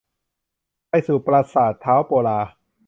ไปสู่ปราสาทท้าวโปลา